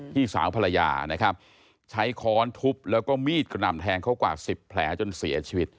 พี่สาวภรรยานะครับใช้ค้อนทุบแล้วก็มีดกระหน่ำแทงเขากว่า๑๐แผลจนเสียชีวิต